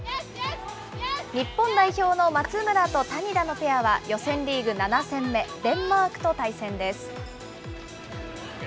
日本代表の松村と谷田のペアは、予選リーグ７戦目、デンマークと対戦です。